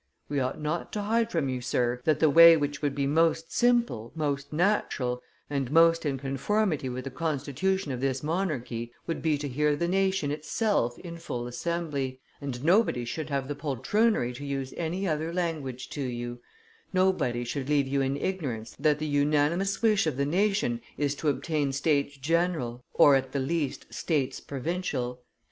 ... We ought not to hide from you, Sir, that the way which would be most simple, most natural, and most in conformity with the constitution of this monarchy, would be to hear the nation itself in full assembly, and nobody should have the poltroonery to use any other language to you; nobody should leave you in ignorance that the unanimous wish of the nation is to obtain states general or at the least states provincial.